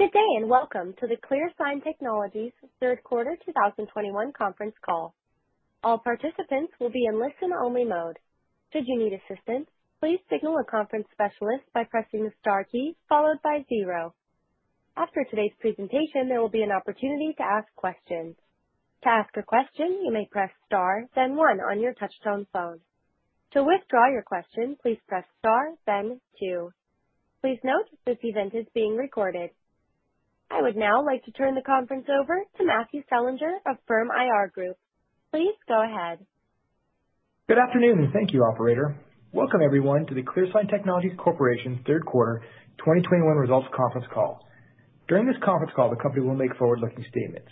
Good day, and welcome to the ClearSign Technologies third quarter 2021 conference call. All participants will be in listen only mode. Should you need assistance, please signal a conference specialist by pressing the star key followed by zero. After today's presentation, there will be an opportunity to ask questions. To ask a question, you may press star then one on your touchtone phone. To withdraw your question, please press star then two. Please note this event is being recorded. I would now like to turn the conference over to Matthew Selinger of Firm IR Group. Please go ahead. Good afternoon. Thank you, operator. Welcome everyone to the ClearSign Technologies Corporation third quarter 2021 results conference call. During this conference call, the company will make forward-looking statements.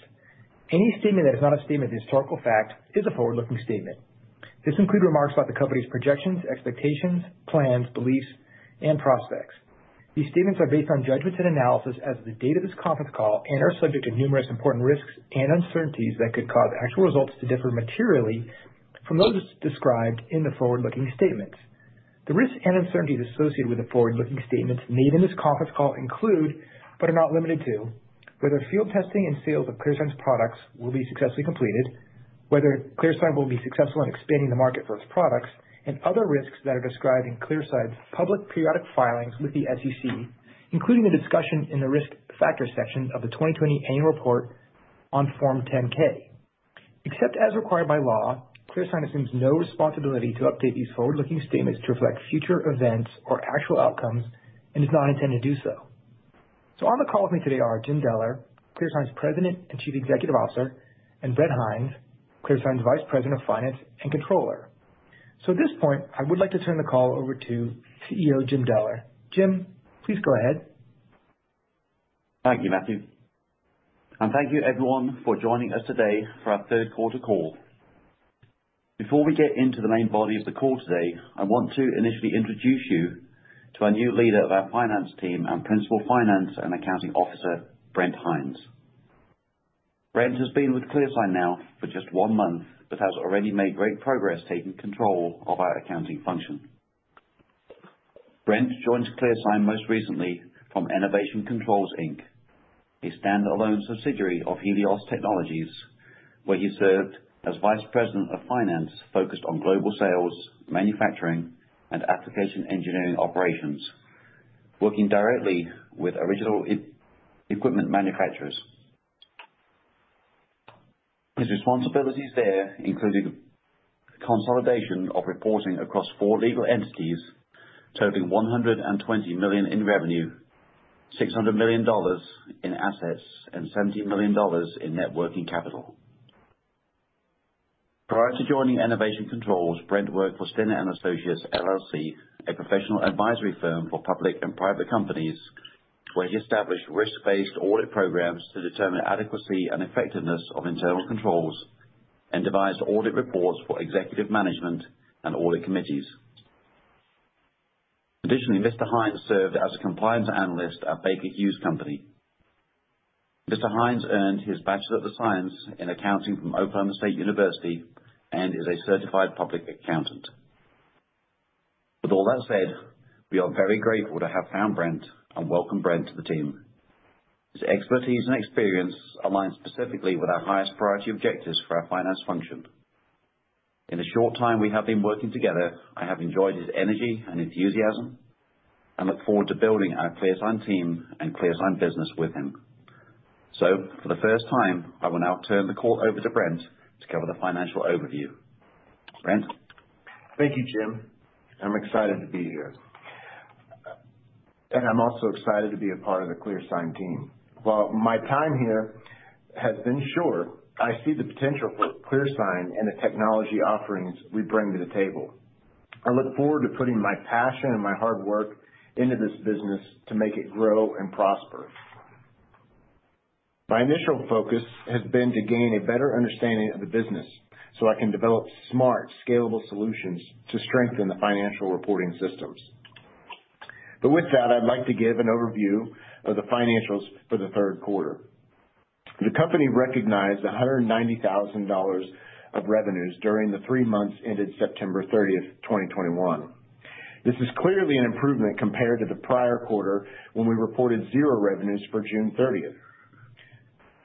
Any statement that is not a statement of historical fact is a forward-looking statement. This include remarks about the company's projections, expectations, plans, beliefs, and prospects. These statements are based on judgments and analysis as of the date of this conference call and are subject to numerous important risks and uncertainties that could cause actual results to differ materially from those described in the forward-looking statements. The risks and uncertainties associated with the forward-looking statements made in this conference call include, but are not limited to, whether field testing and sales of ClearSign's products will be successfully completed, whether ClearSign will be successful in expanding the market for its products, and other risks that are described in ClearSign's public periodic filings with the SEC, including the discussion in the Risk Factors section of the 2020 annual report on Form 10-K. Except as required by law, ClearSign assumes no responsibility to update these forward-looking statements to reflect future events or actual outcomes and does not intend to do so. On the call with me today are Jim Deller, ClearSign's President and Chief Executive Officer, and Brent Hinds, ClearSign's Vice President of Finance and Controller. At this point, I would like to turn the call over to CEO Jim Deller. Jim, please go ahead. Thank you, Matthew, and thank you everyone for joining us today for our third quarter call. Before we get into the main body of the call today, I want to initially introduce you to our new leader of our finance team and Principal Finance and Accounting Officer, Brent Hinds. Brent has been with ClearSign now for just one month, but has already made great progress taking control of our accounting function. Brent joins ClearSign most recently from Enovation Controls, LLC, a standalone subsidiary of Helios Technologies, where he served as Vice President of Finance, focused on global sales, manufacturing, and application engineering operations, working directly with original equipment manufacturers. His responsibilities there included consolidation of reporting across four legal entities totaling $120 million in revenue, $600 million in assets, and $70 million in net working capital. Prior to joining Enovation Controls, Brent worked for Stenner & Associates LLC, a professional advisory firm for public and private companies, where he established risk-based audit programs to determine adequacy and effectiveness of internal controls and devised audit reports for executive management and audit committees. Additionally, Mr. Hinds served as a compliance analyst at Baker Hughes Company. Mr. Hinds earned his Bachelor of Science in Accounting from Oklahoma State University and is a certified public accountant. With all that said, we are very grateful to have found Brent and welcome Brent to the team. His expertise and experience align specifically with our highest priority objectives for our finance function. In the short time we have been working together, I have enjoyed his energy and enthusiasm and look forward to building our ClearSign team and ClearSign business with him. For the first time, I will now turn the call over to Brent to cover the financial overview. Brent. Thank you, Jim. I'm excited to be here. And I'm also excited to be a part of the ClearSign team. While my time here has been short, I see the potential for ClearSign and the technology offerings we bring to the table. I look forward to putting my passion and my hard work into this business to make it grow and prosper. My initial focus has been to gain a better understanding of the business, so I can develop smart, scalable solutions to strengthen the financial reporting systems. With that, I'd like to give an overview of the financials for the third quarter. The company recognized $190,000 of revenues during the three months ended September 30, 2021. This is clearly an improvement compared to the prior quarter, when we reported $0 revenues for June 30.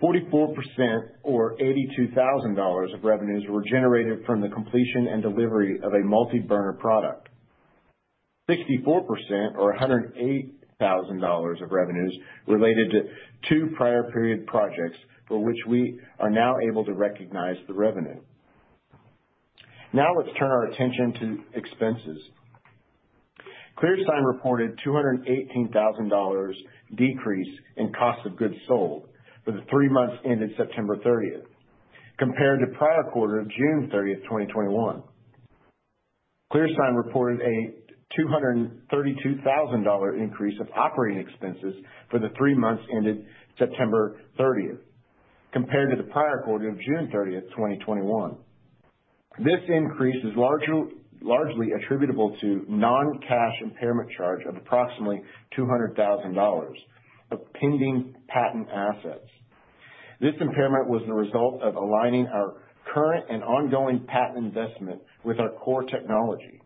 44% or $82,000 of revenues were generated from the completion and delivery of a multi-burner product. 64% or $108,000 of revenues related to two prior period projects for which we are now able to recognize the revenue. Now let's turn our attention to expenses. ClearSign reported $218,000 decrease in cost of goods sold for the three months ended September 30 compared to prior quarter of June 30, 2021. ClearSign reported a $232,000 increase of operating expenses for the three months ended September 30 compared to the prior quarter of June 30, 2021. This increase is largely attributable to non-cash impairment charge of approximately $200,000 of pending patent assets. This impairment was the result of aligning our current and ongoing patent investment with our core technology.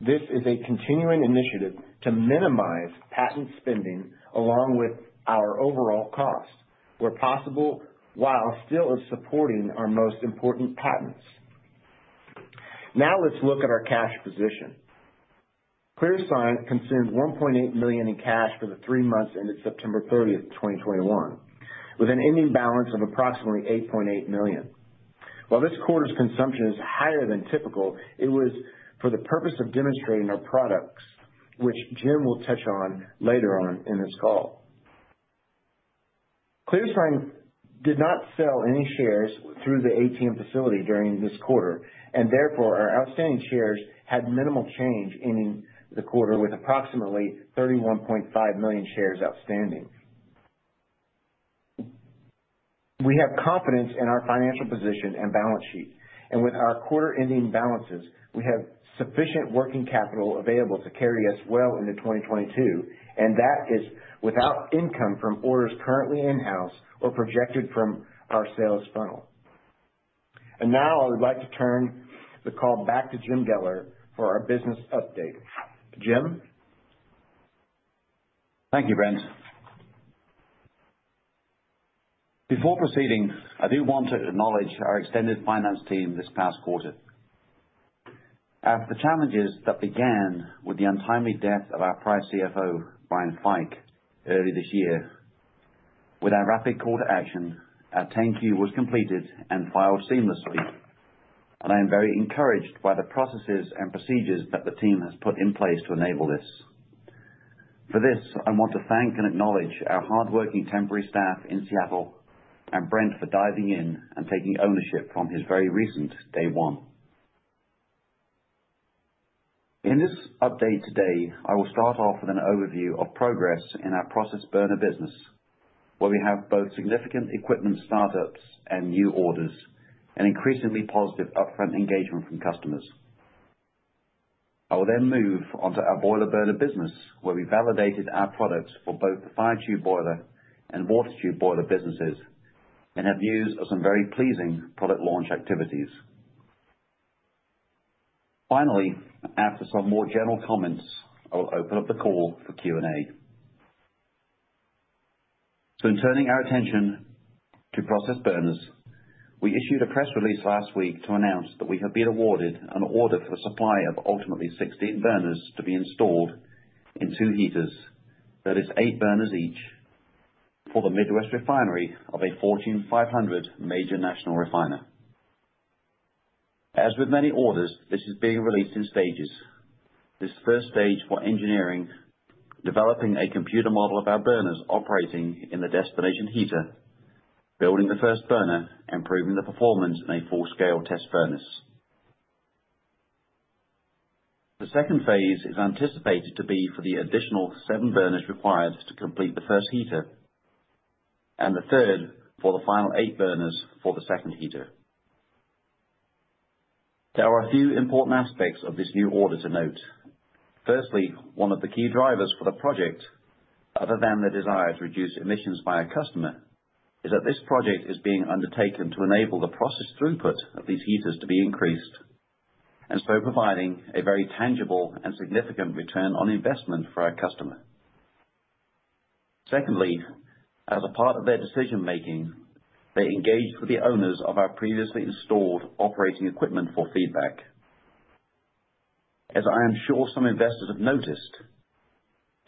This is a continuing initiative to minimize patent spending along with our overall costs where possible, while still supporting our most important patents. Now let's look at our cash position. ClearSign consumed $1.8 million in cash for the three months ended September 30, 2021, with an ending balance of approximately $8.8 million. While this quarter's consumption is higher than typical, it was for the purpose of demonstrating our products, which Jim will touch on later on in this call. ClearSign did not sell any shares through the ATM facility during this quarter, and therefore our outstanding shares had minimal change in the quarter, with approximately 31.5 million shares outstanding. We have confidence in our financial position and balance sheet, and with our quarter ending balances, we have sufficient working capital available to carry us well into 2022, and that is without income from orders currently in-house or projected from our sales funnel. Now I would like to turn the call back to Jim Deller for our business update. Jim? Thank you, Brent. Before proceeding, I do want to acknowledge our extended finance team this past quarter after the challenges that began with the untimely death of our prior CFO, Brian Fike, early this year. With our rapid call to action, our 10-Q was completed and filed seamlessly. I am very encouraged by the processes and procedures that the team has put in place to enable this. For this, I want to thank and acknowledge our hardworking temporary staff in Seattle and Brent for diving in and taking ownership from his very recent day one. In this update today, I will start off with an overview of progress in our process burner business, where we have both significant equipment startups and new orders, and increasingly positive upfront engagement from customers. I will then move on to our boiler burner business, where we validated our products for both the fire tube boiler and water tube boiler businesses, and have used some very pleasing product launch activities. Finally, after some more general comments, I'll open up the call for Q&A. In turning our attention to process burners, we issued a press release last week to announce that we have been awarded an order for supply of ultimately 16 burners to be installed in two heaters, that is 8 burners each for the Midwest refinery of a Fortune 500 major national refiner. As with many orders, this is being released in stages. This first stage for engineering, developing a computer model of our burners operating in the destination heater, building the first burner, and proving the performance in a full-scale test furnace. The second phase is anticipated to be for the additional seven burners required to complete the first heater. The third for the final eight burners for the second heater. There are a few important aspects of this new order to note. Firstly, one of the key drivers for the project, other than the desire to reduce emissions by a customer, is that this project is being undertaken to enable the process throughput of these heaters to be increased, and so providing a very tangible and significant return on investment for our customer. Secondly, as a part of their decision-making, they engaged with the owners of our previously installed operating equipment for feedback. As I am sure some investors have noticed,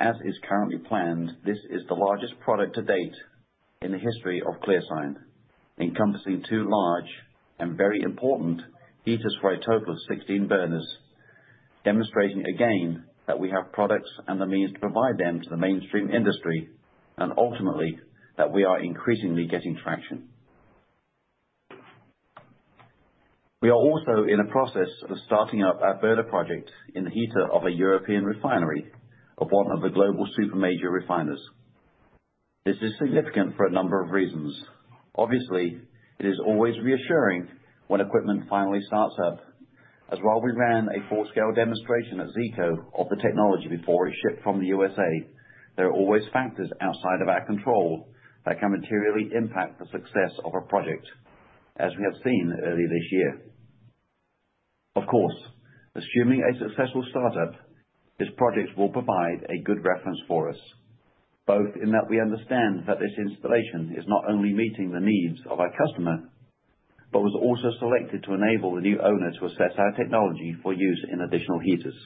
as is currently planned, this is the largest product to date in the history of ClearSign, encompassing two large and very important heaters for a total of 16 burners, demonstrating again that we have products and the means to provide them to the mainstream industry, and ultimately that we are increasingly getting traction. We are also in a process of starting up our burner project in the heater of a European refinery of one of the global super major refiners. This is significant for a number of reasons. Obviously, it is always reassuring when equipment finally starts up, as while we ran a full-scale demonstration at Zeeco of the technology before it shipped from the USA, there are always factors outside of our control that can materially impact the success of a project, as we have seen earlier this year. Of course, assuming a successful start-up, this project will provide a good reference for us, both in that we understand that this installation is not only meeting the needs of our customer, but was also selected to enable the new owner to assess our technology for use in additional heaters.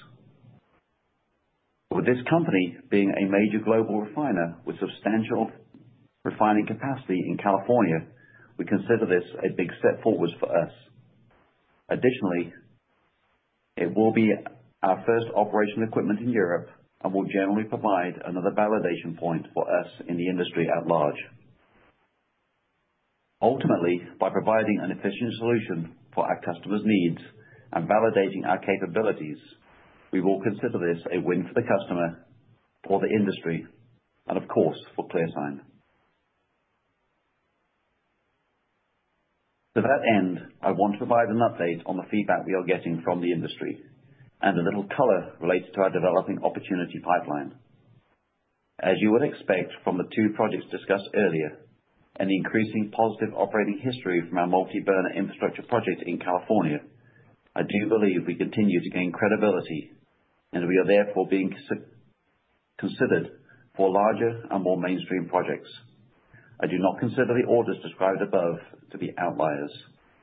With this company being a major global refiner with substantial refining capacity in California, we consider this a big step forward for us. Additionally, it will be our first operational equipment in Europe and will generally provide another validation point for us in the industry at large. Ultimately, by providing an efficient solution for our customers' needs and validating our capabilities, we will consider this a win for the customer, for the industry, and of course, for ClearSign. To that end, I want to provide an update on the feedback we are getting from the industry and a little color related to our developing opportunity pipeline. As you would expect from the two projects discussed earlier and increasing positive operating history from our multi-burner infrastructure project in California, I do believe we continue to gain credibility, and we are therefore being considered for larger and more mainstream projects. I do not consider the orders described above to be outliers,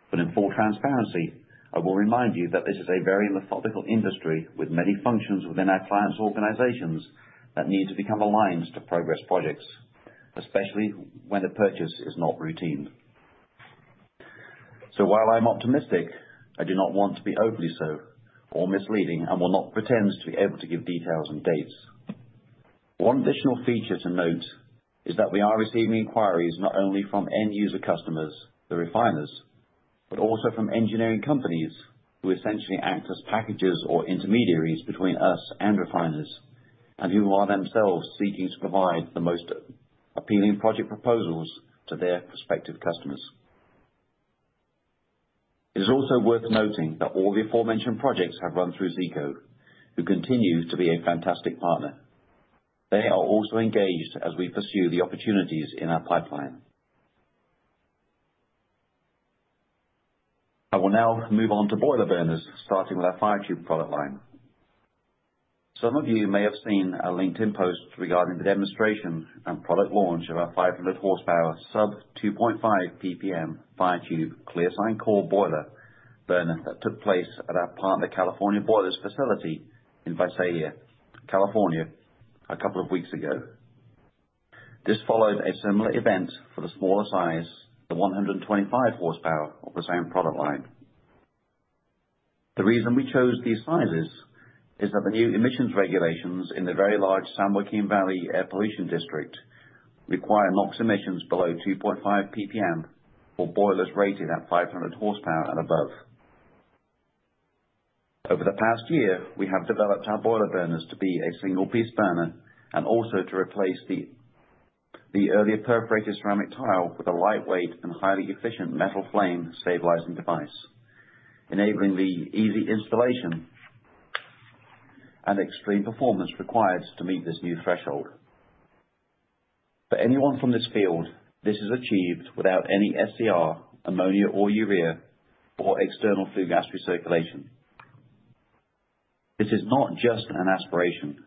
but in full transparency, I will remind you that this is a very methodical industry with many functions within our clients' organizations that need to become aligned to progress projects, especially when the purchase is not routine. While I'm optimistic, I do not want to be overly so or misleading and will not pretend to be able to give details and dates. One additional feature to note is that we are receiving inquiries not only from end user customers, the refiners, but also from engineering companies who essentially act as packagers or intermediaries between us and refiners, and who are themselves seeking to provide the most appealing project proposals to their prospective customers. It is also worth noting that all the aforementioned projects have run through Zeeco, who continue to be a fantastic partner. They are also engaged as we pursue the opportunities in our pipeline. I will now move on to boiler burners, starting with our fire tube product line. Some of you may have seen a LinkedIn post regarding the demonstration and product launch of our 500 horsepower sub 2.5 PPM fire tube ClearSign Core boiler burner that took place at our partner California Boiler's facility in Visalia, California a couple of weeks ago. This followed a similar event for the smaller size, the 125 horsepower of the same product line. The reason we chose these sizes is that the new emissions regulations in the very large San Joaquin Valley Air Pollution Control District require NOx emissions below 2.5 PPM for boilers rated at 500 horsepower and above. Over the past year, we have developed our boiler burners to be a single-piece burner and also to replace the earlier perforated ceramic tile with a lightweight and highly efficient metal flame stabilizing device, enabling the easy installation and extreme performance required to meet this new threshold. For anyone from this field, this is achieved without any SCR, ammonia or urea or external flue gas recirculation. This is not just an aspiration.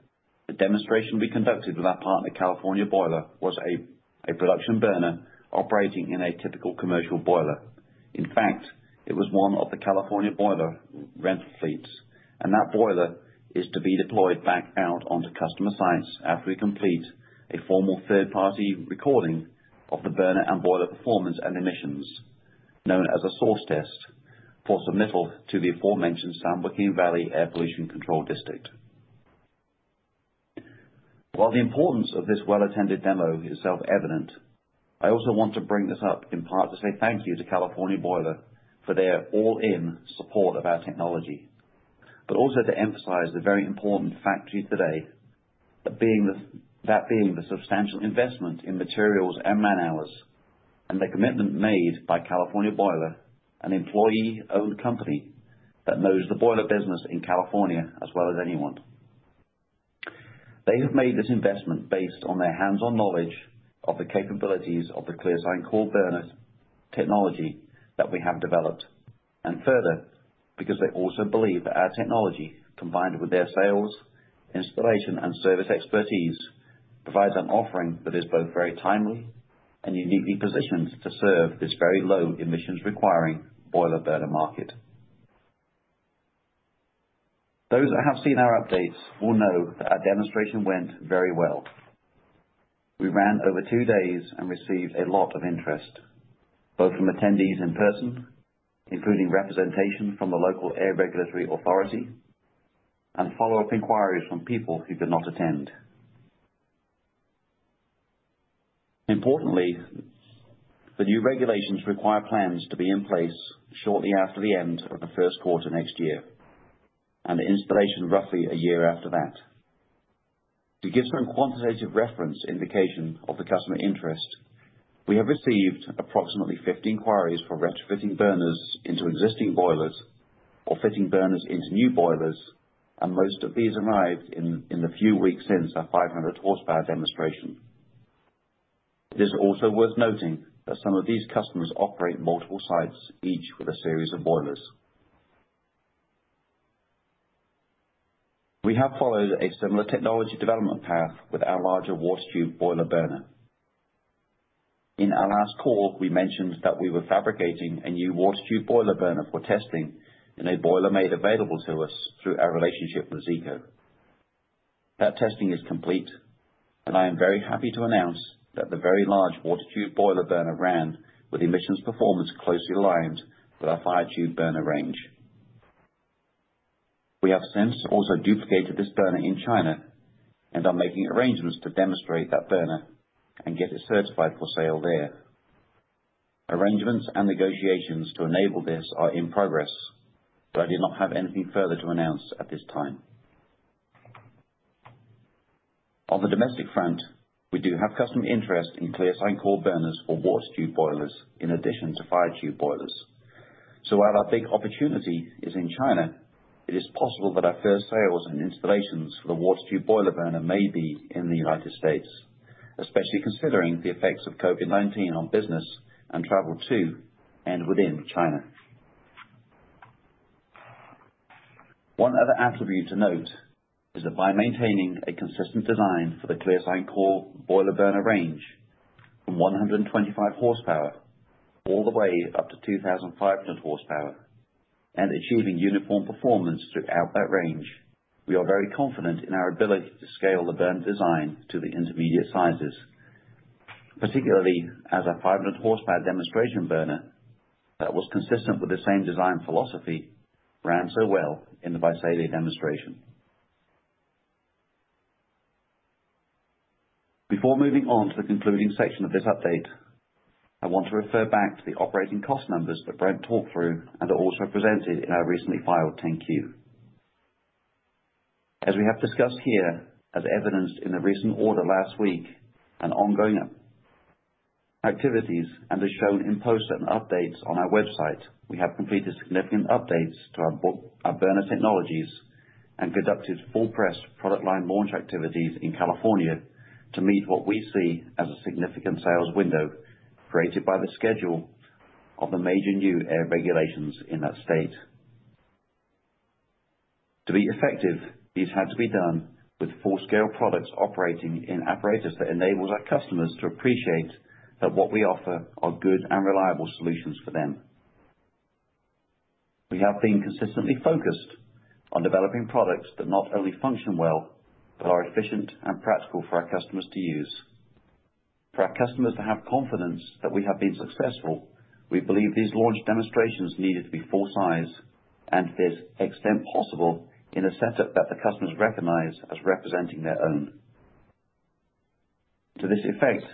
The demonstration we conducted with our partner, California Boiler, was a production burner operating in a typical commercial boiler. In fact, it was one of the California Boiler rental fleets, and that boiler is to be deployed back out onto customer sites after we complete a formal third-party recording of the burner and boiler performance and emissions, known as a source test, for submittal to the aforementioned San Joaquin Valley Air Pollution Control District. While the importance of this well-attended demo is self-evident, I also want to bring this up in part to say thank you to California Boiler for their all-in support of our technology. Also to emphasize the very important factor today that being the substantial investment in materials and man-hours, and the commitment made by California Boiler, an employee-owned company that knows the boiler business in California as well as anyone. They have made this investment based on their hands-on knowledge of the capabilities of the ClearSign Core burner technology that we have developed. Further, because they also believe that our technology, combined with their sales, installation, and service expertise, provides an offering that is both very timely and uniquely positioned to serve this very low emissions requiring boiler burner market. Those that have seen our updates will know that our demonstration went very well. We ran over two days and received a lot of interest, both from attendees in person, including representation from the local air regulatory authority and follow-up inquiries from people who could not attend. Importantly, the new regulations require plans to be in place shortly after the end of the first quarter next year, and the installation roughly a year after that. To give some quantitative reference indication of the customer interest, we have received approximately 50 inquiries for retrofitting burners into existing boilers or fitting burners into new boilers, and most of these arrived in the few weeks since our 500 horsepower demonstration. It is also worth noting that some of these customers operate multiple sites, each with a series of boilers. We have followed a similar technology development path with our larger water tube boiler burner. In our last call, we mentioned that we were fabricating a new water tube boiler burner for testing in a boiler made available to us through our relationship with Zeeco. That testing is complete, and I am very happy to announce that the very large water tube boiler burner ran with emissions performance closely aligned with our fire tube burner range. We have since also duplicated this burner in China and are making arrangements to demonstrate that burner and get it certified for sale there. Arrangements and negotiations to enable this are in progress, but I do not have anything further to announce at this time. On the domestic front, we do have customer interest in ClearSign Core burners for water tube boilers in addition to fire tube boilers. While our big opportunity is in China, it is possible that our first sales and installations for the water tube boiler burner may be in the United States, especially considering the effects of COVID-19 on business and travel to and within China. One other attribute to note is that by maintaining a consistent design for the ClearSign Core boiler burner range from 125 horsepower all the way up to 2,500 horsepower and achieving uniform performance throughout that range, we are very confident in our ability to scale the burn design to the intermediate sizes, particularly as our 500 horsepower demonstration burner that was consistent with the same design philosophy ran so well in the Visalia demonstration. Before moving on to the concluding section of this update, I want to refer back to the operating cost numbers that Brent talked through and are also presented in our recently filed 10-Q. As we have discussed here, as evidenced in the recent order last week and ongoing activities and as shown in posts and updates on our website, we have completed significant updates to our burner technologies and conducted full press product line launch activities in California to meet what we see as a significant sales window created by the schedule of the major new air regulations in that state. To be effective, these had to be done with full-scale products operating in apparatus that enables our customers to appreciate that what we offer are good and reliable solutions for them. We have been consistently focused on developing products that not only function well, but are efficient and practical for our customers to use. For our customers to have confidence that we have been successful, we believe these launch demonstrations needed to be full size and as extensive as possible in a setup that the customers recognize as representing their own. To this effect,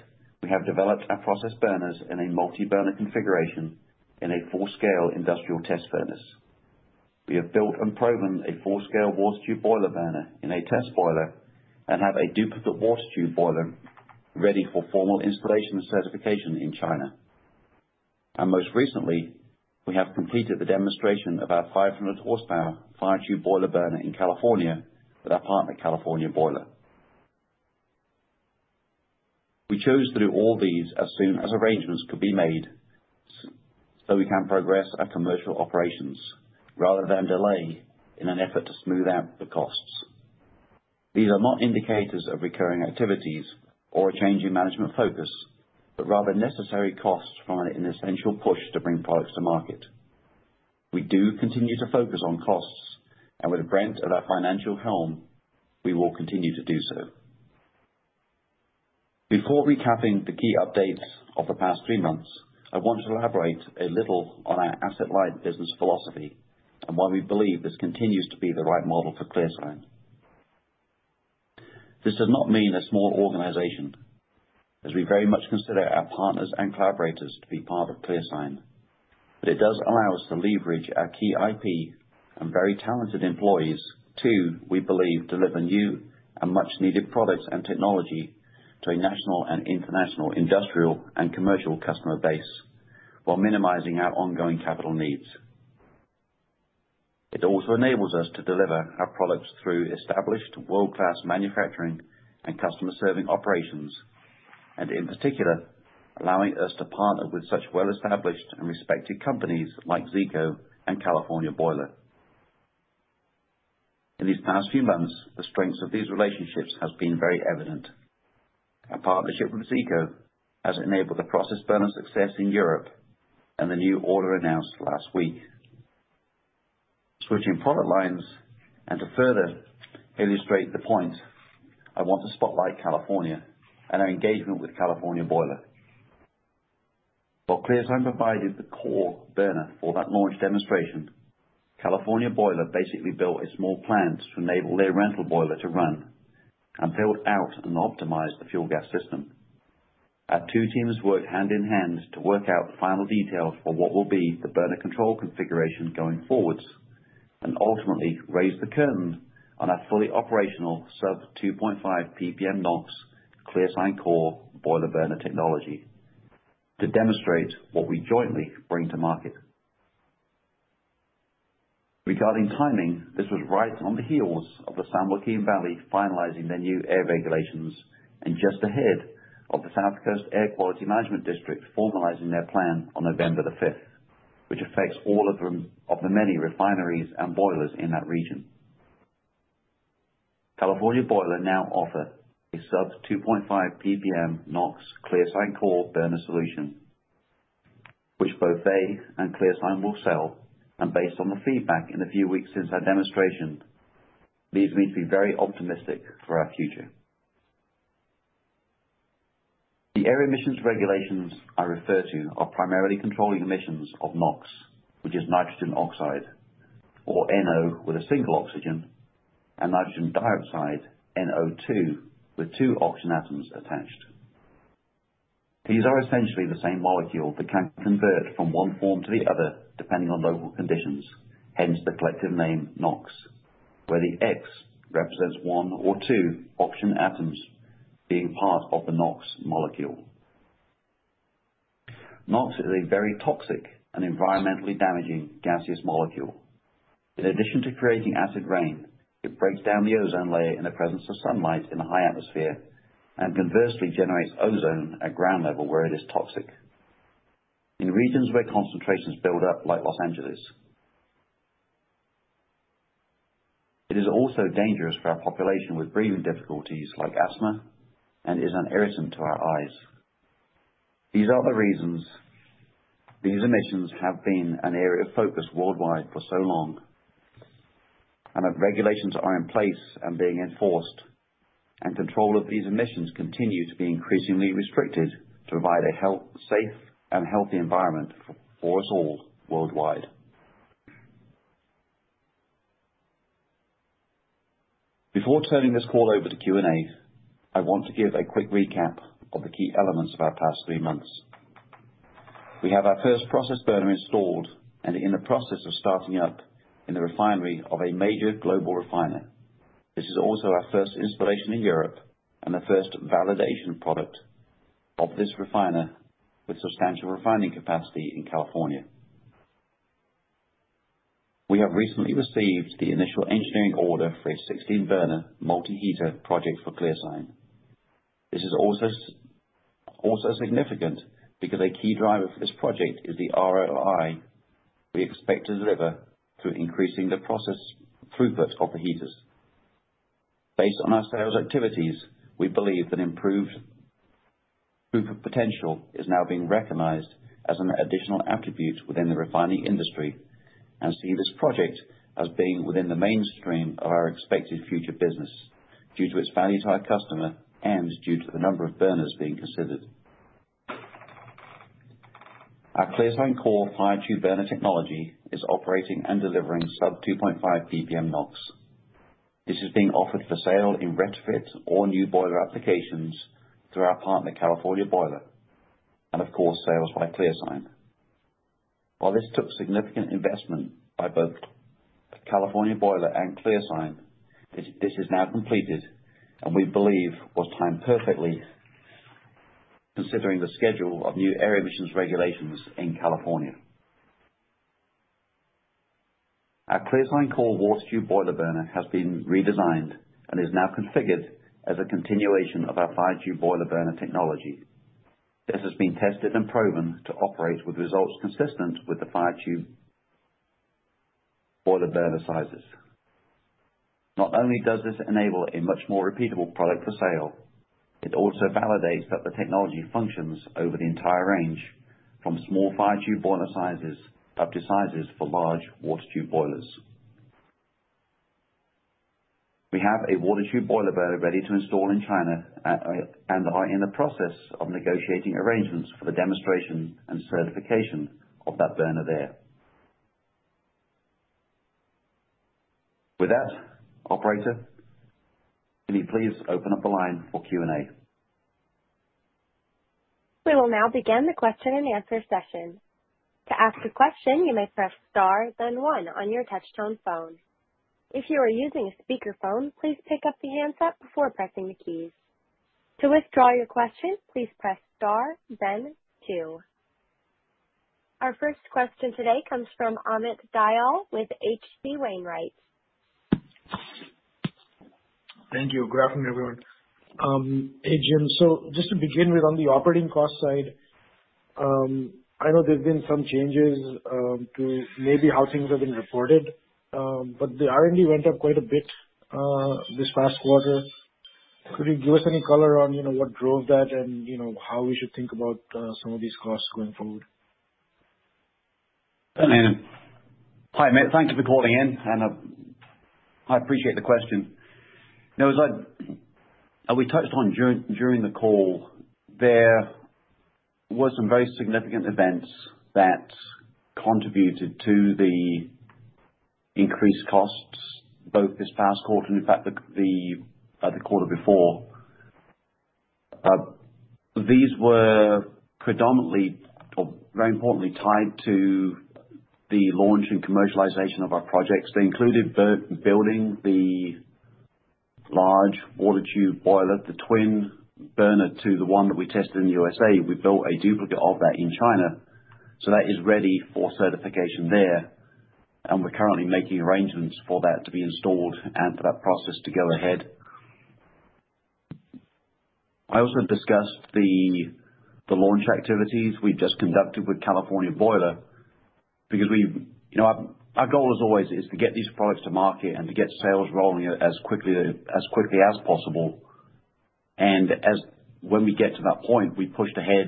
we have developed our process burners in a multi-burner configuration in a full-scale industrial test furnace. We have built and proven a full-scale water tube boiler burner in a test boiler and have a duplicate water tube boiler ready for formal installation and certification in China. Most recently, we have completed the demonstration of our 500-horsepower fire tube boiler burner in California with our partner, California Boiler. We chose to do all these as soon as arrangements could be made so we can progress our commercial operations rather than delay in an effort to smooth out the costs. These are not indicators of recurring activities or a change in management focus, but rather necessary costs from an essential push to bring products to market. We do continue to focus on costs and with Brent at our financial helm, we will continue to do so. Before recapping the key updates of the past three months, I want to elaborate a little on our asset-light business philosophy and why we believe this continues to be the right model for ClearSign. This does not mean a small organization, as we very much consider our partners and collaborators to be part of ClearSign. It does allow us to leverage our key IP and very talented employees to, we believe, deliver new and much-needed products and technology to a national and international industrial and commercial customer base while minimizing our ongoing capital needs. It also enables us to deliver our products through established world-class manufacturing and customer-serving operations, and in particular, allowing us to partner with such well-established and respected companies like Zeeco and California Boiler. In these past few months, the strengths of these relationships has been very evident. Our partnership with Zeeco has enabled the process burner success in Europe and the new order announced last week. Switching product lines and to further illustrate the point, I want to spotlight California and our engagement with California Boiler. While ClearSign provided the core burner for that launch demonstration, California Boiler basically built a small plant to enable their rental boiler to run and built out and optimized the fuel gas system. Our two teams worked hand in hand to work out the final details for what will be the burner control configuration going forwards and ultimately raised the curtain on our fully operational sub 2.5 ppm NOx ClearSign Core boiler burner technology to demonstrate what we jointly bring to market. Regarding timing, this was right on the heels of the San Joaquin Valley finalizing their new air regulations and just ahead of the South Coast Air Quality Management District formalizing their plan on November 5, which affects all of them, of the many refineries and boilers in that region. California Boiler now offer a sub 2.5 ppm NOx ClearSign Core burner solution, which both they and ClearSign will sell. Based on the feedback in the few weeks since that demonstration, leaves me to be very optimistic for our future. The air emissions regulations I refer to are primarily controlling emissions of NOx, which is nitrogen oxide or NO with a single oxygen and nitrogen dioxide, NO2, with two oxygen atoms attached. These are essentially the same molecule that can convert from one form to the other, depending on local conditions. Hence, the collective name NOx, where the X represents one or two oxygen atoms. Being part of the NOx molecule, NOx is a very toxic and environmentally damaging gaseous molecule. In addition to creating acid rain, it breaks down the ozone layer in the presence of sunlight in the high atmosphere and conversely generates ozone at ground level where it is toxic. In regions where concentrations build up, like Los Angeles, it is also dangerous for our population with breathing difficulties like asthma and is an irritant to our eyes. These are the reasons these emissions have been an area of focus worldwide for so long and that regulations are in place and being enforced, and control of these emissions continue to be increasingly restricted to provide a healthy, safe and healthy environment for us all worldwide. Before turning this call over to Q&A, I want to give a quick recap of the key elements of our past three months. We have our first process burner installed and in the process of starting up in the refinery of a major global refiner. This is also our first installation in Europe and the first validation product of this refiner with substantial refining capacity in California. We have recently received the initial engineering order for a 16-burner multi-heater project for ClearSign. This is also significant because a key driver for this project is the ROI we expect to deliver through increasing the process throughput of the heaters. Based on our sales activities, we believe that improved throughput potential is now being recognized as an additional attribute within the refining industry, and see this project as being within the mainstream of our expected future business due to its value to our customer and due to the number of burners being considered. Our ClearSign Core fire tube burner technology is operating and delivering sub-2.5 ppm NOx. This is being offered for sale in retrofit or new boiler applications through our partner, California Boiler, and of course, sales by ClearSign. While this took significant investment by both California Boiler and ClearSign, this is now completed and we believe was timed perfectly considering the schedule of new air emissions regulations in California. Our ClearSign Core water tube boiler burner has been redesigned and is now configured as a continuation of our fire tube boiler burner technology. This has been tested and proven to operate with results consistent with the fire tube boiler burner sizes. Not only does this enable a much more repeatable product for sale, it also validates that the technology functions over the entire range from small fire tube boiler sizes up to sizes for large water tube boilers. We have a water tube boiler burner ready to install in China and are in the process of negotiating arrangements for the demonstration and certification of that burner there. With that, operator, can you please open up the line for Q&A? We will now begin the question and answer session. To ask a question, you may press star then one on your touch tone phone. If you are using a speaker phone, please pick up the handset before pressing the keys. To withdraw your question, please press star then two. Our first question today comes from Amit Dayal with H.C. Wainwright. Thank you. Good afternoon, everyone. Hey, Jim. Just to begin with, on the operating cost side, I know there's been some changes to maybe how things have been reported, but the R&D went up quite a bit this past quarter. Could you give us any color on, you know, what drove that and, you know, how we should think about some of these costs going forward? Hi, Amit. Thanks for calling in, and I appreciate the question. Now, we touched on during the call, there were some very significant events that contributed to the increased costs both this past quarter and in fact the quarter before. These were predominantly or very importantly tied to the launch and commercialization of our projects. They included building the large water tube boiler, the twin burner to the one that we tested in the U.S.A. We built a duplicate of that in China, so that is ready for certification there, and we're currently making arrangements for that to be installed and for that process to go ahead. I also discussed the launch activities we've just conducted with California Boiler because you know, our goal is always to get these products to market and to get sales rolling as quickly as possible. As when we get to that point, we pushed ahead,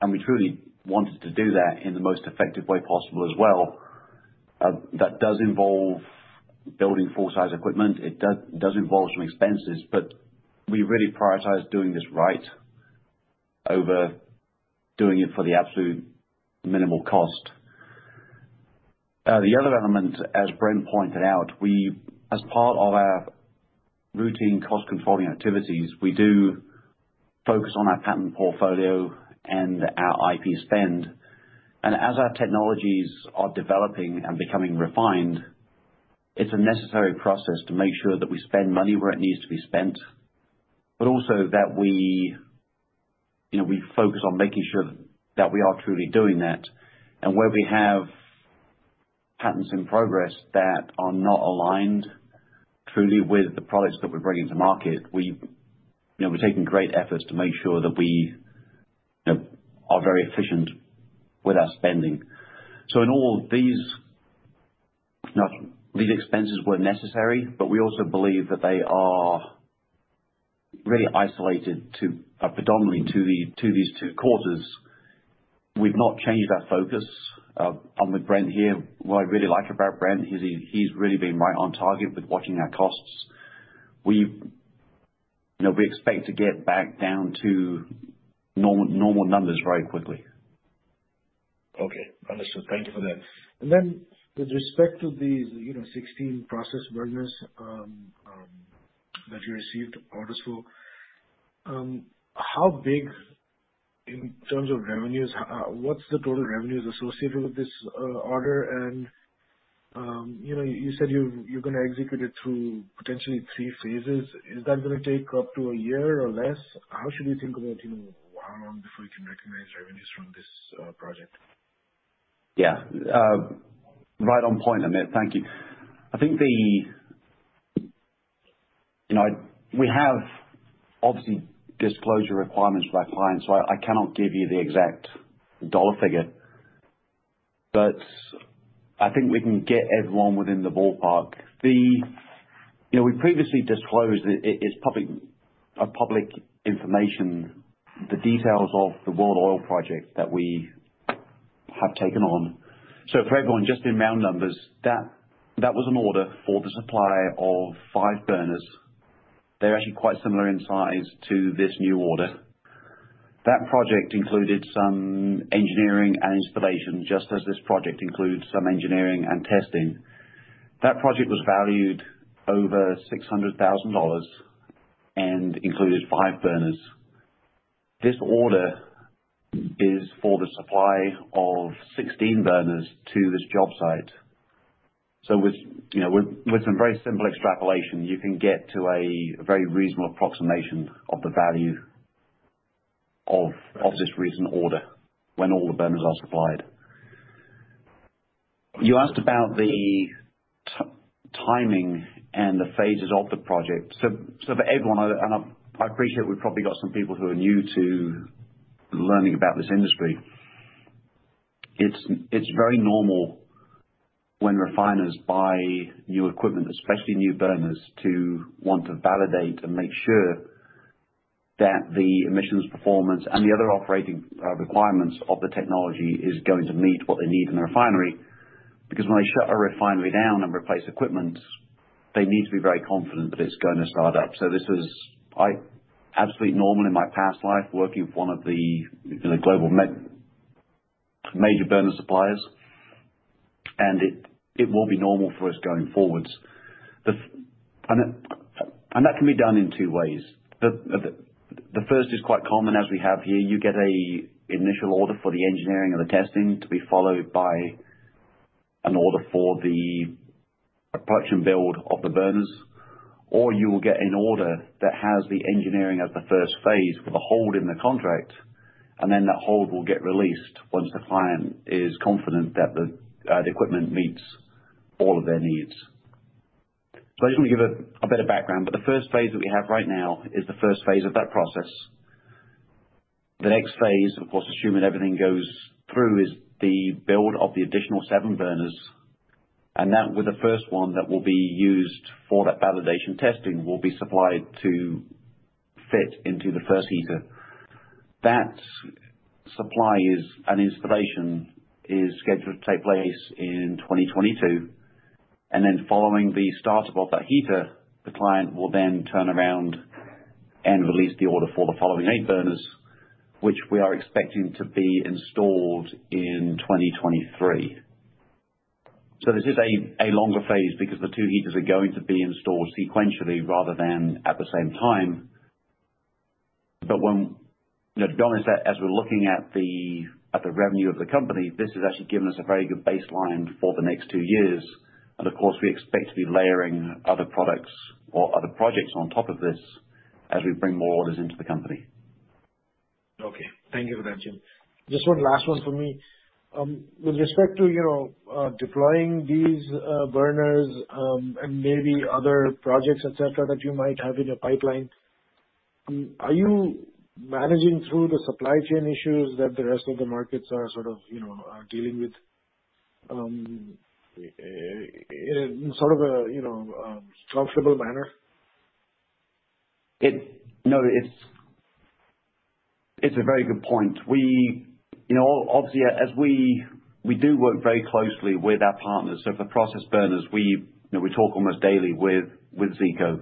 and we truly wanted to do that in the most effective way possible as well. That does involve building full-size equipment. It does involve some expenses, but we really prioritize doing this right over doing it for the absolute minimal cost. The other element, as Brent pointed out, we, as part of our routine cost controlling activities, we do focus on our patent portfolio and our IP spend. As our technologies are developing and becoming refined. It's a necessary process to make sure that we spend money where it needs to be spent, but also that we, you know, we focus on making sure that we are truly doing that. Where we have patents in progress that are not aligned truly with the products that we're bringing to market, we, you know, we're taking great efforts to make sure that we, you know, are very efficient with our spending. In all these expenses were necessary, but we also believe that they are really isolated to, predominantly to these two quarters. We've not changed our focus. I'm with Brent here. What I really like about Brent is he's really been right on target with watching our costs. We, you know, we expect to get back down to normal numbers very quickly. Okay. Understood. Thank you for that. Then with respect to the, you know, 16 process burners that you received orders for, how big in terms of revenues, what's the total revenues associated with this order? You know, you said you're gonna execute it through potentially three phases. Is that gonna take up to a year or less? How should we think about, you know, how long before we can recognize revenues from this project? Yeah. Right on point, Amit. Thank you. I think. You know, we have obviously disclosure requirements with our clients, so I cannot give you the exact dollar figure. But I think we can get everyone within the ballpark. You know, we previously disclosed it. It is public information, the details of the World Oil project that we have taken on. For everyone, just in round numbers, that was an order for the supply of five burners. They're actually quite similar in size to this new order. That project included some engineering and installation, just as this project includes some engineering and testing. That project was valued over $600,000 and included five burners. This order is for the supply of 16 burners to this job site. With, you know, with some very simple extrapolation, you can get to a very reasonable approximation of the value of this recent order when all the burners are supplied. You asked about the timing and the phases of the project. For everyone, and I appreciate we've probably got some people who are new to learning about this industry. It's very normal when refiners buy new equipment, especially new burners, to want to validate and make sure that the emissions performance and the other operating requirements of the technology is going to meet what they need in the refinery. Because when they shut a refinery down and replace equipment, they need to be very confident that it's gonna start up. This is absolutely normal in my past life working with one of the, you know, global major burner suppliers. It will be normal for us going forwards. That can be done in two ways. The first is quite common as we have here. You get an initial order for the engineering and the testing to be followed by an order for the purchase and build of the burners, or you will get an order that has the engineering at the first phase with a hold in the contract, and then that hold will get released once the client is confident that the equipment meets all of their needs. I just wanna give a bit of background, but the first phase that we have right now is the first phase of that process. The next phase, of course, assuming everything goes through, is the build of the additional seven burners, and that, with the first one that will be used for that validation testing, will be supplied to fit into the first heater. That supply and installation is scheduled to take place in 2022, and then following the startup of that heater, the client will then turn around and release the order for the following eight burners, which we are expecting to be installed in 2023. This is a longer phase because the two heaters are going to be installed sequentially rather than at the same time. When you know, to be honest, as we're looking at the revenue of the company, this has actually given us a very good baseline for the next two years. Of course, we expect to be layering other products or other projects on top of this as we bring more orders into the company. Okay. Thank you for that, Jim. Just one last one for me. With respect to, you know, deploying these burners, and maybe other projects, et cetera, that you might have in your pipeline, are you managing through the supply chain issues that the rest of the markets are sort of, you know, are dealing with, in sort of a, you know, comfortable manner? No, it's a very good point. We, you know, obviously, as we do work very closely with our partners. For process burners, you know, we talk almost daily with Zeeco.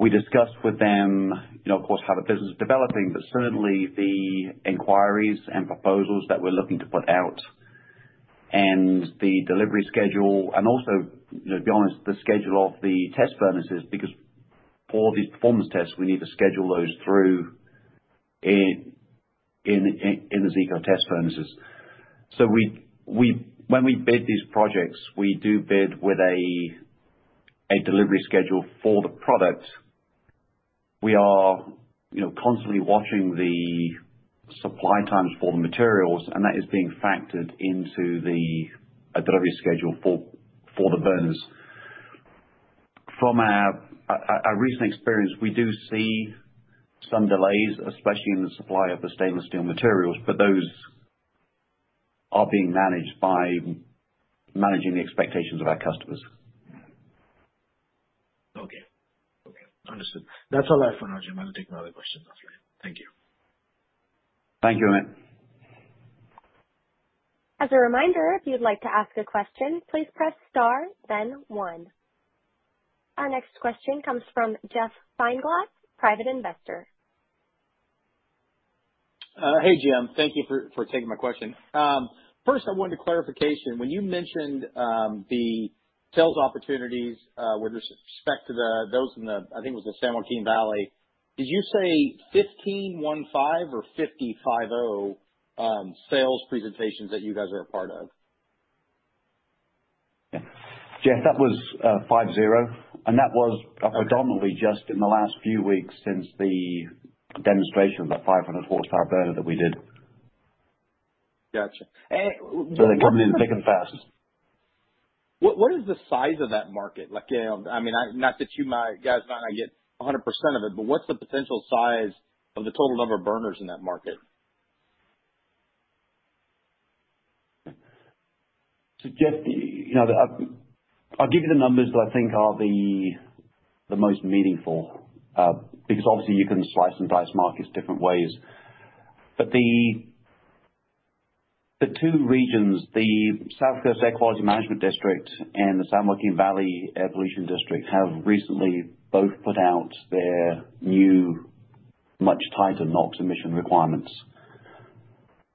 We discuss with them, you know, of course, how the business is developing, but certainly the inquiries and proposals that we're looking to put out and the delivery schedule and also, you know, to be honest, the schedule of the test furnaces. Because for these performance tests, we need to schedule those through the Zeeco test furnaces. When we bid these projects, we do bid with a delivery schedule for the product. We are, you know, constantly watching the supply times for the materials, and that is being factored into the delivery schedule for the burners. From our recent experience, we do see some delays, especially in the supply of the stainless steel materials, but those are being managed by managing the expectations of our customers. Okay. Understood. That's all I have for now, Jim. I'm gonna take my other question offline. Thank you. Thank you, Amit. As a reminder, if you'd like to ask a question, please press star then one. Our next question comes from Jeff Feinglass, Private Investor. Hey, Jim. Thank you for taking my question. First I wanted a clarification. When you mentioned the sales opportunities with respect to those in the, I think it was the San Joaquin Valley. Did you say 1,515 or 50 sales presentations that you guys are a part of? Yeah. Jeff, that was 50, and that was- Okay. Predominantly just in the last few weeks since the demonstration of the 500 horsepower burner that we did. Gotcha. They're coming in thick and fast. What is the size of that market? Like, you know, I mean, not that you guys are gonna get 100% of it, but what's the potential size of the total number of burners in that market? Jeff, you know, I'll give you the numbers that I think are the most meaningful, because obviously you can slice and dice markets different ways. The two regions, the South Coast Air Quality Management District and the San Joaquin Valley Air Pollution Control District, have recently both put out their new, much tighter NOx emission requirements.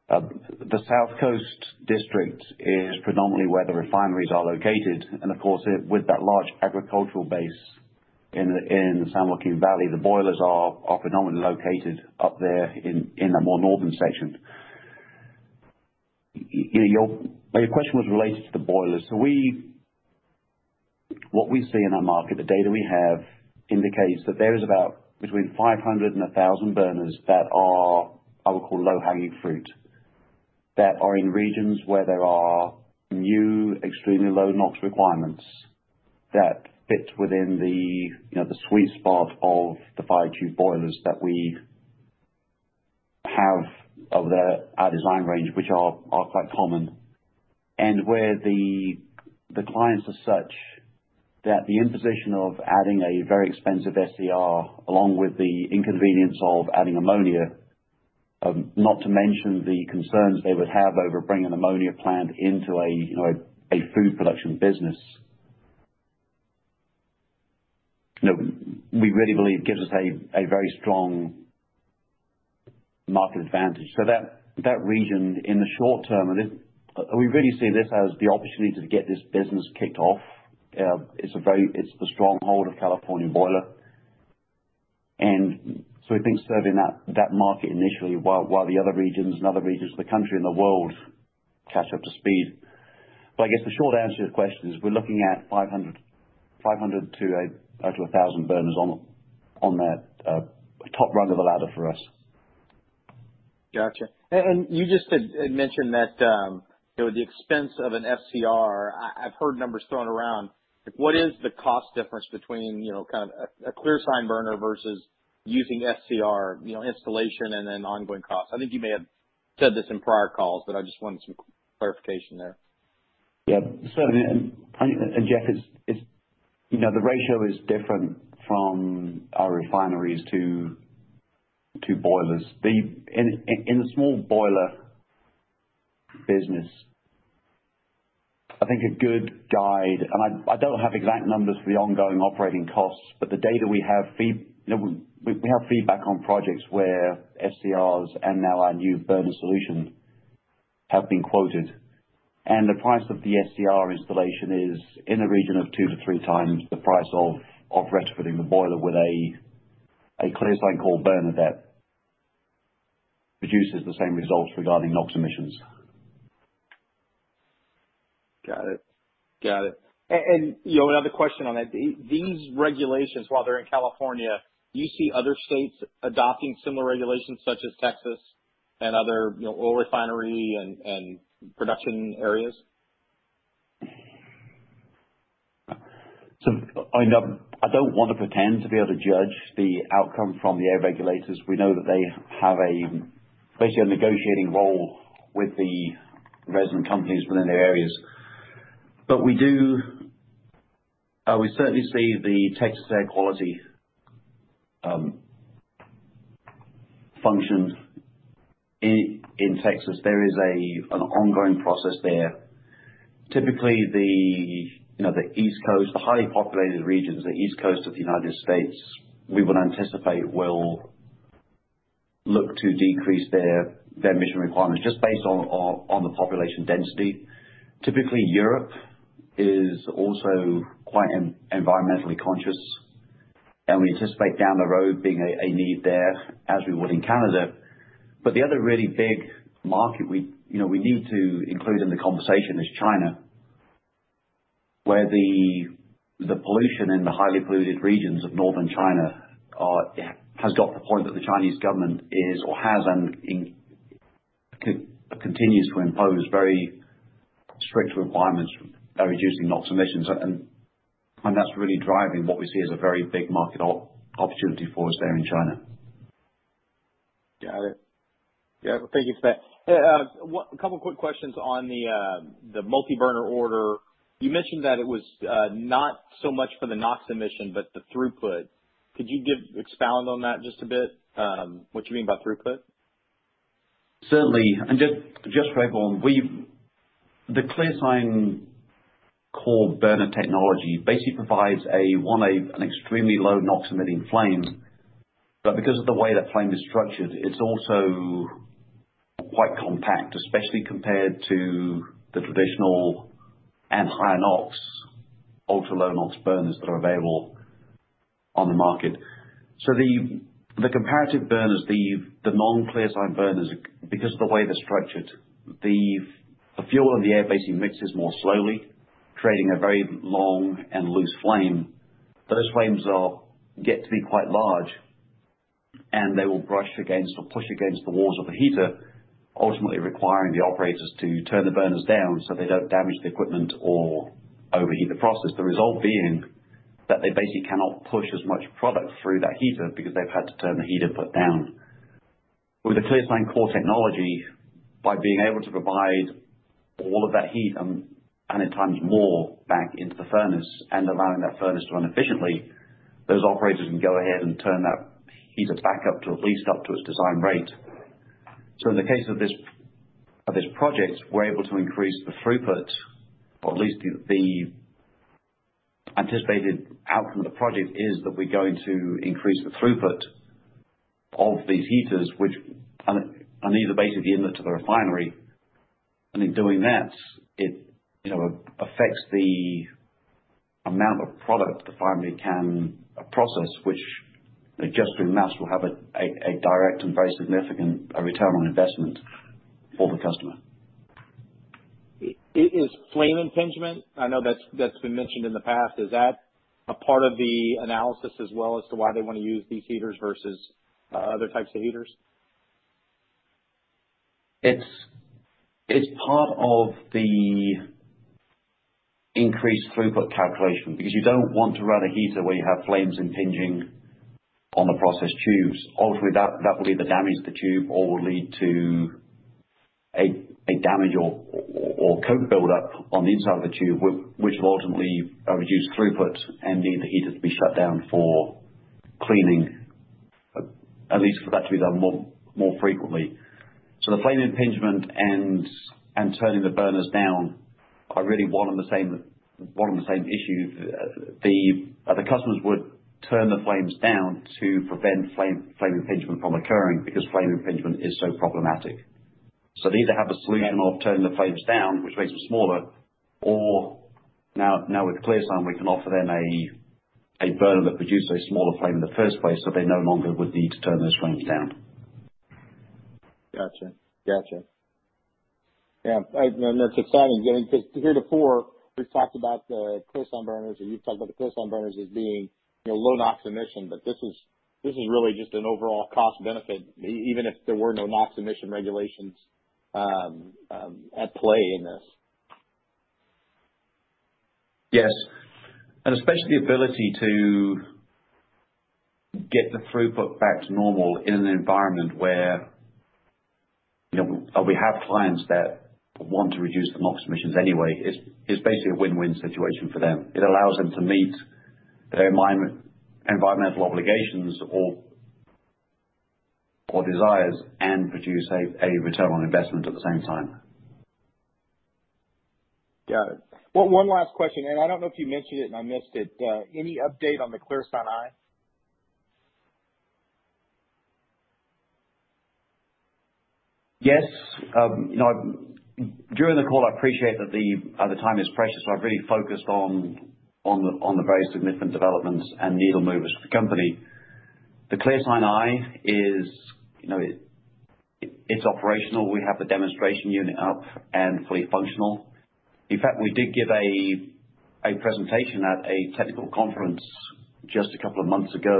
The South Coast district is predominantly where the refineries are located and of course, with that large agricultural base in the San Joaquin Valley, the boilers are predominantly located up there in the more northern section. You know, your question was related to the boilers. We... What we see in our market, the data we have indicates that there is about between 500 and 1,000 burners that are, I would call low-hanging fruit, that are in regions where there are new extremely low NOx requirements that fit within the, you know, the sweet spot of the firetube boilers that we have of the our design range, which are quite common. Where the clients are such that the imposition of adding a very expensive SCR, along with the inconvenience of adding ammonia, not to mention the concerns they would have over bringing ammonia plant into a, you know, a food production business. You know, we really believe gives us a very strong market advantage. That region in the short term, we really see this as the opportunity to get this business kicked off. It's the stronghold of California Boiler. So we think serving that market initially, while the other regions of the country and the world catch up to speed. I guess the short answer to your question is we're looking at 500-1,000 burners on that top rung of the ladder for us. Gotcha. You just had mentioned that, you know, the expense of an SCR, I've heard numbers thrown around. Like what is the cost difference between, you know, kind of a ClearSign burner versus using SCR, you know, installation and then ongoing costs? I think you may have said this in prior calls, but I just wanted some clarification there. Yeah. Certainly, and Jeff, it's you know, the ratio is different from our refineries to boilers. In the small boiler business, I think a good guide. I don't have exact numbers for the ongoing operating costs, but you know, we have feedback on projects where SCRs and now our new burner solution have been quoted. The price of the SCR installation is in the region of 2-3 times the price of retrofitting the boiler with a ClearSign Core burner that produces the same results regarding NOx emissions. Got it. You know, another question on that. These regulations, while they're in California, do you see other states adopting similar regulations such as Texas and other, you know, oil refinery and production areas? I don't want to pretend to be able to judge the outcome from the air regulators. We know that they have basically a negotiating role with the resident companies within their areas. We certainly see the Texas Air Quality functions in Texas. There is an ongoing process there. Typically, you know, the East Coast, the highly populated regions, the East Coast of the United States, we would anticipate will look to decrease their emission requirements just based on the population density. Typically Europe is also quite environmentally conscious, and we anticipate down the road being a need there as we would in Canada. The other really big market we, you know, we need to include in the conversation is China, where the pollution in the highly polluted regions of Northern China has got to the point that the Chinese government is, or has, and continues to impose very strict requirements for reducing NOx emissions. That's really driving what we see as a very big market opportunity for us there in China. Got it. Yeah. Thank you for that. A couple quick questions on the multi burner order. You mentioned that it was not so much for the NOx emission, but the throughput. Could you expound on that just a bit, what you mean by throughput? Certainly. Just to break on, we have the ClearSign Core burner technology basically provides an extremely low NOx emitting flame. Because of the way that flame is structured, it's also quite compact, especially compared to the traditional and high NOx, ultra low NOx burners that are available on the market. The comparative burners, the non-ClearSign burners, because of the way they're structured, the fuel and the air basically mix more slowly, creating a very long and loose flame. Those flames get to be quite large, and they will brush against or push against the walls of the heater, ultimately requiring the operators to turn the burners down so they don't damage the equipment or overheat the process. The result being that they basically cannot push as much product through that heater because they've had to turn the heat output down. With the ClearSign Core technology, by being able to provide all of that heat and at times more back into the furnace and allowing that furnace to run efficiently, those operators can go ahead and turn that heater back up to at least its design rate. In the case of this project, we're able to increase the throughput. At least the anticipated outcome of the project is that we're going to increase the throughput of these heaters, which are neither basically inlets to the refinery. In doing that, you know, it affects the amount of product the refinery can process, which adjusting that will have a direct and very significant return on investment for the customer. Is flame impingement, I know that's been mentioned in the past, a part of the analysis as well as to why they wanna use these heaters versus other types of heaters? It's part of the increased throughput calculation because you don't want to run a heater where you have flames impinging on the process tubes. Ultimately, that will either damage the tube or will lead to a damage or soot buildup on the inside of the tube, which will ultimately reduce throughput and mean the heater to be shut down for cleaning, at least for that to be done more frequently. The flame impingement and turning the burners down are really one and the same issue. The customers would turn the flames down to prevent flame impingement from occurring because flame impingement is so problematic. They either have a solution of turning the flames down, which makes them smaller, or now with ClearSign, we can offer them a burner that produces a smaller flame in the first place, so they no longer would need to turn those flames down. Gotcha. Yeah, I know it's exciting, 'cause heretofore, we've talked about the ClearSign burners, and you've talked about the ClearSign burners as being, you know, low NOx emission, but this is really just an overall cost benefit even if there were no NOx emission regulations at play in this. Yes. Especially ability to get the throughput back to normal in an environment where, you know, we have clients that want to reduce the NOx emissions anyway. It's basically a win-win situation for them. It allows them to meet their environmental obligations or desires and produce a return on investment at the same time. Got it. One last question, and I don't know if you mentioned it and I missed it. Any update on the ClearSign Eye? Yes. You know, during the call, I appreciate that the time is precious, so I've really focused on the very significant developments and needle movers for the company. The ClearSign Eye is, you know, it's operational. We have the demonstration unit up and fully functional. In fact, we did give a presentation at a technical conference just a couple of months ago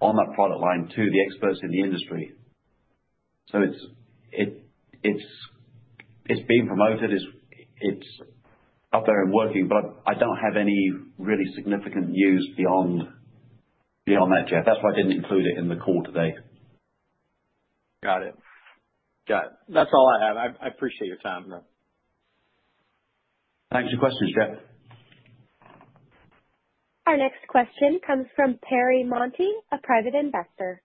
on that product line to the experts in the industry. So it's being promoted. It's out there and working, but I don't have any really significant news beyond that, Jeff. That's why I didn't include it in the call today. Got it. That's all I have. I appreciate your time. Thanks for your questions, Jeff. Our next question comes from Perry Monty, a private investor.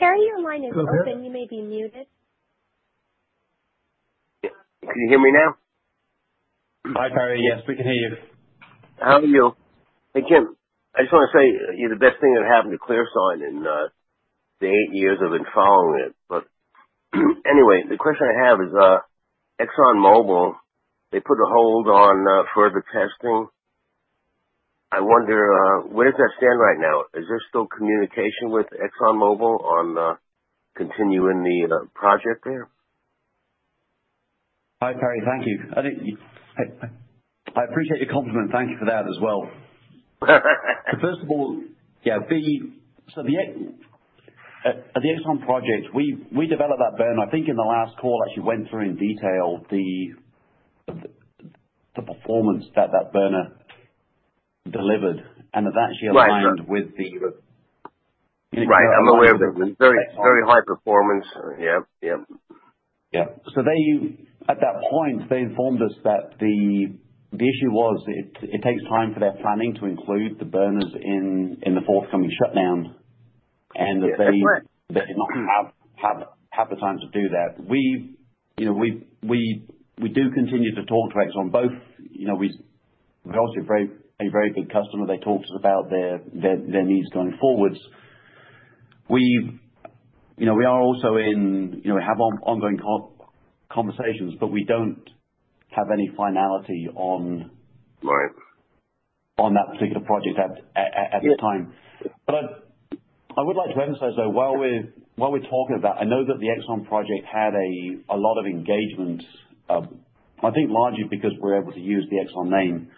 Perry, your line is open. You may be muted. Can you hear me now? Hi, Perry. Yes, we can hear you. How are you? Again, I just wanna say you're the best thing that happened to ClearSign in the eight years I've been following it. Anyway, the question I have is, ExxonMobil, they put a hold on further testing. I wonder where does that stand right now? Is there still communication with ExxonMobil on continuing the project there? Hi, Perry. Thank you. I think I appreciate your compliment. Thank you for that as well. First of all, yeah. So, at the Exxon project, we developed that burner. I think in the last call, I actually went through in detail the performance that burner delivered. That's actually aligned- Right. -with the- Right. I'm aware of it. Very, very high performance. Yeah. Yeah. Yeah. They, at that point, informed us that the issue was it takes time for their planning to include the burners in the forthcoming shutdown. Yeah, that's right. They did not have the time to do that. You know, we do continue to talk to Exxon both. You know, Exxon's a very big customer. They talk to us about their needs going forward. You know, we are also in ongoing conversations, but we don't have any finality on- Right. on that particular project at the time. I would like to emphasize, though, while we're talking about, I know that the Exxon project had a lot of engagement, I think largely because we're able to use the Exxon name.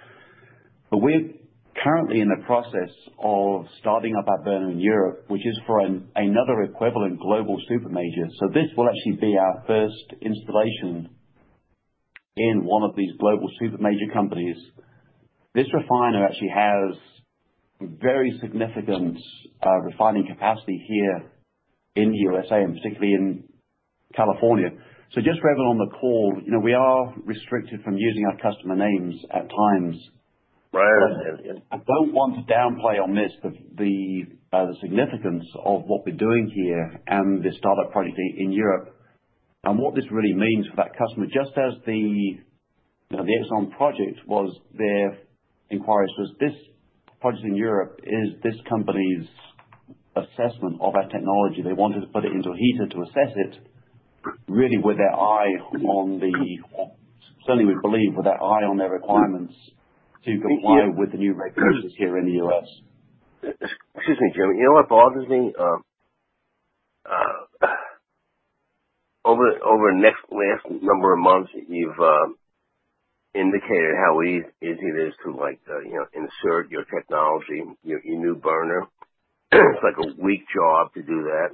We're currently in the process of starting up our burner in Europe, which is for another equivalent global super major. This will actually be our first installation in one of these global super major companies. This refiner actually has very significant refining capacity here in USA and particularly in California. Just for everyone on the call, you know, we are restricted from using our customer names at times. Right. I don't want to downplay on this, but the significance of what we're doing here and this startup project in Europe and what this really means for that customer. Just as the, you know, the Exxon project was their inquiries, this project in Europe is this company's assessment of our technology. They wanted to put it into heater to assess it really with their eye on the, certainly we believe, with their eye on their requirements to comply with the new regulations here in the U.S. Excuse me, Jim. You know what bothers me? Over the last number of months that you've indicated how easy it is to like, you know, insert your technology, your new burner. It's like a week job to do that.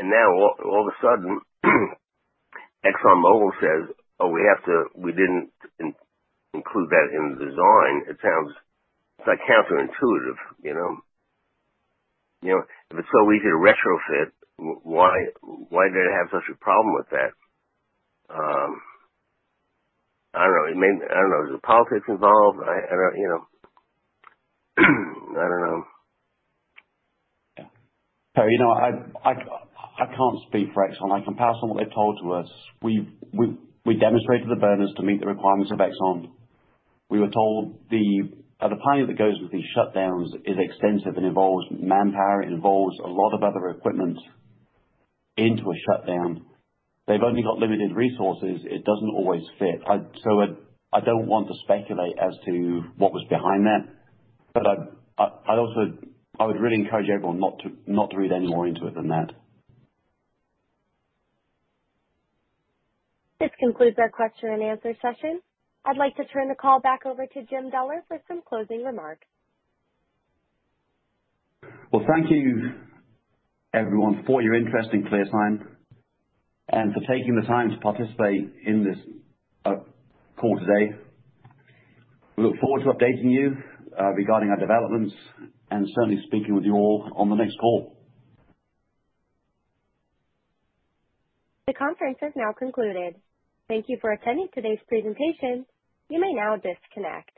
Now all of a sudden ExxonMobil says, "Oh, we have to. We didn't include that in the design." It sounds like counterintuitive, you know. You know, if it's so easy to retrofit, why did it have such a problem with that? I don't know. It may be. I don't know. Is the politics involved? I don't know, you know. I don't know. Yeah. Perry, you know, I can't speak for Exxon. I can pass on what they've told to us. We demonstrated the burners to meet the requirements of Exxon. We were told the pilot that goes with these shutdowns is extensive and involves manpower. It involves a lot of other equipment into a shutdown. They've only got limited resources. It doesn't always fit. So I don't want to speculate as to what was behind that. But I'd also. I would really encourage everyone not to read any more into it than that. This concludes our question and answer session. I'd like to turn the call back over to Jim Deller for some closing remarks. Well, thank you everyone for your interest in ClearSign and for taking the time to participate in this call today. We look forward to updating you regarding our developments and certainly speaking with you all on the next call. The conference has now concluded. Thank you for attending today's presentation. You may now disconnect.